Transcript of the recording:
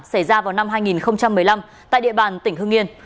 xảy ra vào năm hai nghìn một mươi năm tại địa bàn tỉnh hưng yên